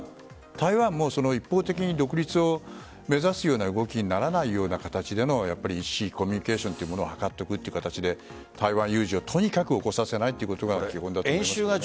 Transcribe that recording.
台湾も一方的に独立を目指すような動きにならないような形でのコミュニケーションを図る形で台湾有事をとにかく起こさせないことが基本だと思います。